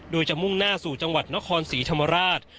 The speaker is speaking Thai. โดยจะมุ่งหน้าสู่จังหวัดนครศรีธรรมราช